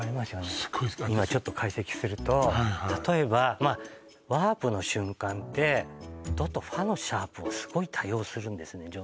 すごい好きちょっと解析すると例えばワープの瞬間ってドとファのシャープをすごい多用するんですね